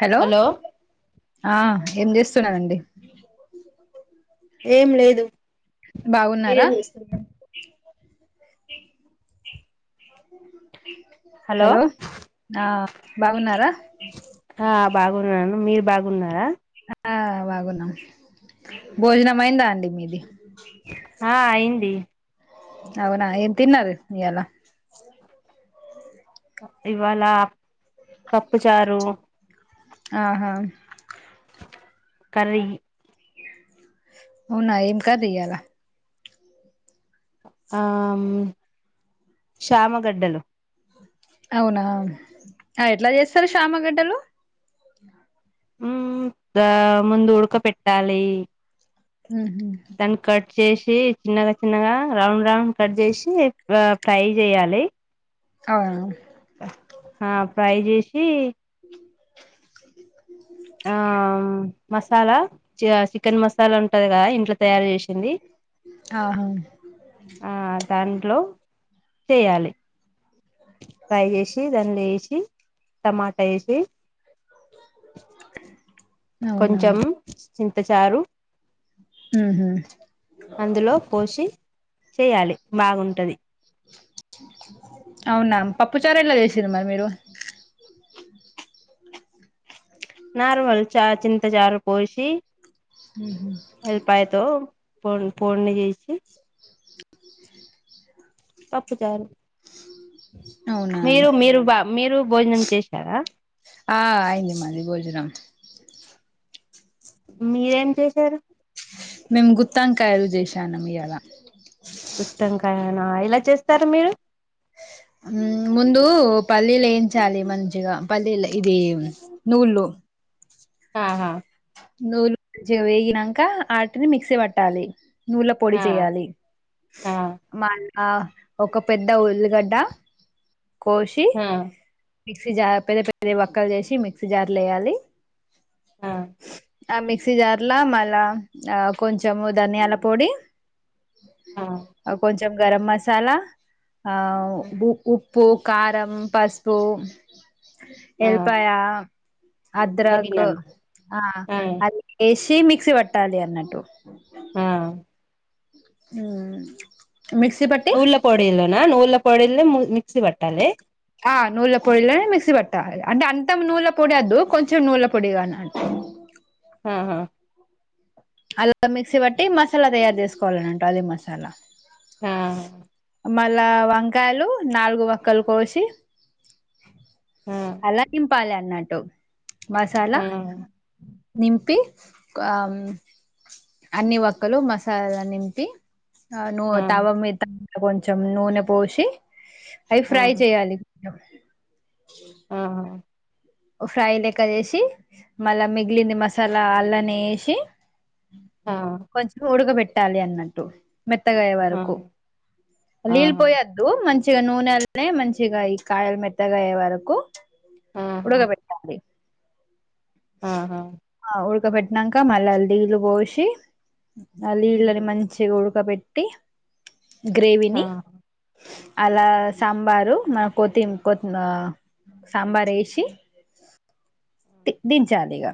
hello ఆ ఏం చేస్త స్తున్నారండి ఏం లేదు బాగున్నారా మీరేం చేస్తున్నారు [unintelligible] [unintelligible] హలో ఆ బాగున్నారా ఆ బాగున్నాను మీరు బాగున్నారా ఆ బాగున్నాం భోజనం అయిందా అండి మీది ఆ ఇంత తేగ అవునా ఏం తిన్నారు ఇయాలా ఇవ్వాళ పప్పుచారు ఆహా కర్రి వునా ఏం కర్రి ఇయాలా ఆ శ్యామాగడ్డలు అవునా ఆ ఎట్లా చేస్తారు శమగడ్డలు ఉమ్ ద ముందు ఉడక పెట్టాలి ఉహుమ్ దాన్ని కట్ చేసి చిన్నగా చిన్నగా రౌండ్ రౌండ్ కట్ చేసి లే ఫ్రై చెయ్యాలి అవును ఆ ఫ్రై చేసి ఆ మసాలా చియా సి చికెన్ మసాలా ఉంటది కదా ఇంట్లో తయారు చేసి ఆహా ఆ దాంట్లో చేయాలి ఫ్రై చేసి దానిలో ఏసి టమాటా వేసి అవునా కొంచెం చింతచారు ఉహు అందులో పోసి చెయ్యాలి బాగుంటది అవునా పప్పు చారా ఏలా చేసిరు మరి మీరు నార్మల్ చా చింత చారు పోసి ఉహుమ్ పోన్ పొడ్ని చేసి పప్పుచారు అవునా మీరు మీరు బా మీరు భోజనం చేశారా ఆ అయింది మాది భోజనం మీరేం చేశారు మేం గుత్ త్తంకాయలు చేషానం ఇయ్యాలా గుత్తొంక కాయనా ఇలా చేస్తారు మీరు మ్మ్ ముందు పల్లీలు ఏయించాలి మంచిగా పల్లీలు ఇది నువ్వులు ఆహా నవ్వులు [unintelligible] వేగినంక ఆటిని మిక్సీ పట్టాలి నవ్వుల పొడి ఆ చేయాలి ఆ మళ్ళ ఒక పెద్ద ఉల్లిగడ్డ కోశి ఆ మిక్సీ జార్ పెద్ద పెద్ద ఒక్కలు చేసి మిక్సీ జార్లో ఎయ్యాలి ఆ ఆ ఆ మిక్సీ జార్ ల మళ్ళ కొంచెం ధనియాల పొడి కొంచెం గరం మసాలా ఔ బు ఉ ప్పు కారం పసుపు ఆ ఎల్ పాయ అద్రాకు తగినంత ఆ అద్ ఏష్ తి మిక్సీ పట్టాలి అన్నట్టు ఆ మ్మ్ నవ్వుల్ల పొడిలోనా నువ్వుల్ల పొడింది మిక్సీ పట్టండి ఆ నువ్వుల పొడిలనే మిక్సీ పట్టాలి అంటే అంతం నువ్వుల పొడి అద్దు కొంచెం నువ్వుల పొడి గానే ఆహా అలా మిక్సీ బట్టి మసాలా తయారు చేసుకోవాలనంట అది మసాలా ఆ మళ్ళా వంకాయలు నాలుగు వక్కలు కోసి ఆ అలా నింపాల అన్నట్టు మసాలా ఆ నింపి కు అం అన్ని వక్కలు మసాలా ల నింపి అ నువ్ ఆ తవ్వా మిత కొంచం నూనె పోషి అయి ఆ ఫ్రై చెయ్యాలి అ ఆ ఫ్రై లెక్క చేేసి మళ్ళీ మిగిలింది మసాలా అల్లనే వేషి ఆ ఆ కొంచం ఉడక బెట్ ఇట్టాలి అన్నట్టు మెత్తగాయ వరకు నీళ్ళ ఆహా పోయొద్దు మంచి మంచిగా నూనే ఎల్ తేమంచిగా ఈ కాయలు మెత్తగా అయ్యే వరకు ఆ ఉడగ పెట్టాలి ఆహా ఆ ఉడక పెెట్టినాక మళ్ళీ నీళ్లు పోసి ఆ నీళ్ళని మంచి ఉడక పెట్టి ఆహా గ్రేవిని అలా సాంబారు మ కొతి కొతి సాంబార్ వేసి టే దిన్చాలిగా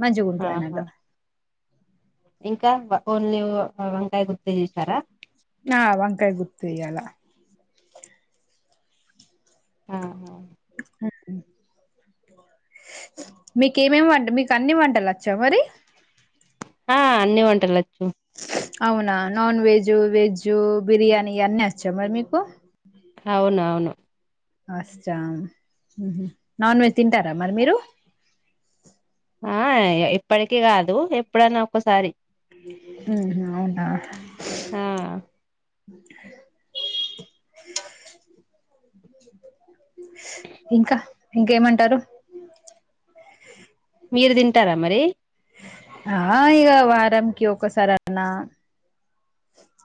మంచిగ ఆహా ఉంటాలంటా ఇంకా ఓన్లీ వంకాయ గుత్తులుచేసారా నా వంకాయ గుత్తు ఇయ్యలా ఆా ఓకే మీకే ఏమేమి వంట మీకు అన్ని వంటలు వచ్చా మరి ఆ అన్నీ వంటాలు వచ్ చూ అవునా నాన్ వెజ్ వెజ్ బిర్యానీ అన్నీ వచ్చా మరి నీకు అవునవును అస్సల్ నాన్ వెజ్ తింటారా మరి మీరు ఆ ఇప్పటికిీ కాదు ఎప్పుడన్నా ఒక్కసారి ఉ అవునా ఇనో ఆ అడిబుల్ ఇంకా ఇంకేమంటారు మీరు తింటారా మరి ఆ ఇక వారంకి ఒక్కసారి అలా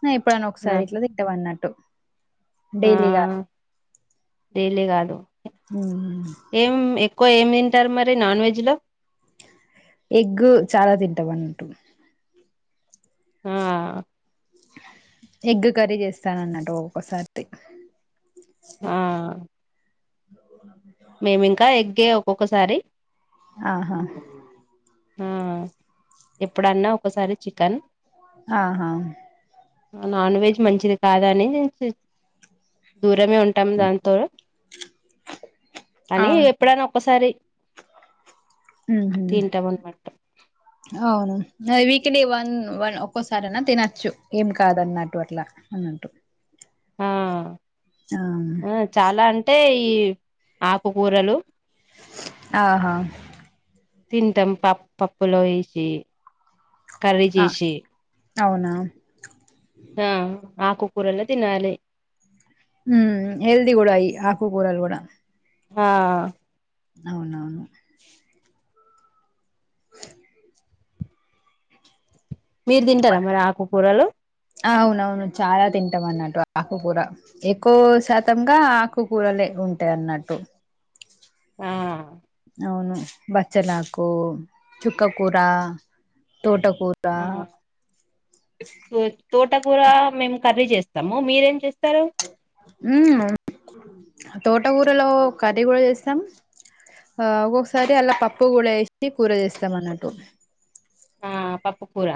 నా ఇప్పుడైనా ఆ ఒకసారి ఇట్లా తింట అన్నట్టు డెైలీగా డైలి కాదు అ ఇంకో ఏం తింటారు మరి నాన్ వెజ్లో ఎగ్ చాలా తింటామ్ అన్నట్టు ఆ ఎగ్ కర్రీ చేస్తాన అన్నట్టు ఒక్కొక్కసారి ఆ అవునా మేమి ఇంకా ఎ కే ఒక్కొక్కసారి ఆహా ఉమ్ ఎప్పుడన్నా ఒకసారి చికెన్ ఆహా నాన్ వెజ్ మంచిది కాదా అని దూరమే ఉంటాము దాంతో అని ఎప్పుడైనా ఒసారి రి ఉహుమ్ అవును వీక్లీ వన్ వన్ ఒక్కోసార అనా తినచ్చు ఏం కాదున్నట్టు అట్లా అన్నట్టు ఆ ఆ ఆ చాలా అంటే అంటే ఈ ఆకుకూరలు ఆహా తింటాం పప్పు పప్పులో వేసి కరడీ ఆ చేసి అవునా ఆకుకూరల్లో తినాలి ఉమ్ హల్ది కూడా అయి ఆకుకరలు కూడా ఆ అవునవును అ మీరు తింటారా మరి ఆకుకూరలు అవునవును చాలా తింటాం అన్నట్టు ఆకుకూర ఎక్కువ శాతంగా ఆకుకూరలే ఉంటా అన్నట్టు ఆ అవును బచ్చల హాకు చుక్క కూూర తోట ఆ తో తోటకూర మేము కర్రీ చేస్తాం స్తాం మీరేం చేస్తారు ఉమ్ ఉ తోటకూరలో కర్రీ కూడా చేస్తాం ఆ ఒక్కొక్కసారి అలా పప్పు కూడా వేసి కూర చేస్తాం అన్నట్టు ఆ పప్పు కూూర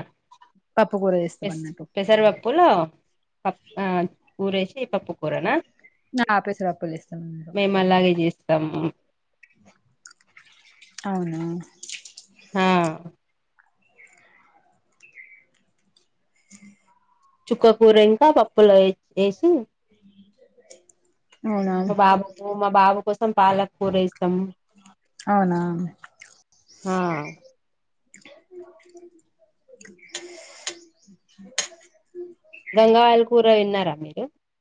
పప్పు కూర చేస్తాం అన్నట్టు పెసర్ పప్పులో కూరే చ పప్పు కూరనా ఆ పెసరపప్పులు వేస్తాం అన్నట్టు మేము అలాగే చేస్తాము అవునా ఆ చుక్కకూర ఇంకా పప్పులు ఏ ఎస్ అవునా మా బాబుకు మా బాబు కోసం పాలకు కురేసి తమ్ము అవునా ఆ గంగావాయల్ కూర విన్నారా మీరు